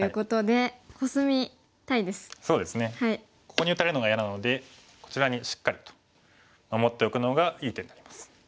ここに打たれるのが嫌なのでこちらにしっかりと守っておくのがいい手になります。